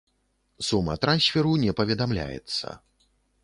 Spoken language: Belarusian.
Сума трансферу не паведамляецца.